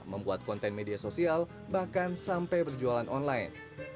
membuat konten media sosial bahkan sampai berjualan online